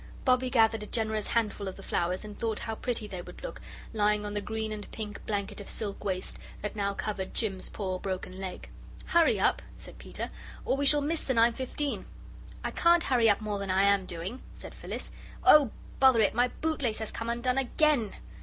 Bobbie gathered a generous handful of the flowers and thought how pretty they would look lying on the green and pink blanket of silk waste that now covered Jim's poor broken leg. "Hurry up," said Peter, "or we shall miss the 9.15!" "I can't hurry more than I am doing," said Phyllis. "Oh, bother it! My bootlace has come undone AGAIN!"